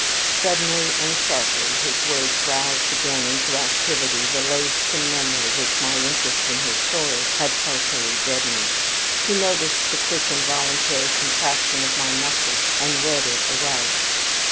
Suddenly and sharply his words roused again into activity the loathsome memory which my interest in his story had partially deadened. He noticed the quick involuntary contraction of my muscles, and read it aright.